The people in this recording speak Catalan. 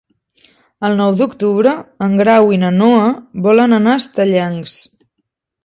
El nou d'octubre en Grau i na Noa volen anar a Estellencs.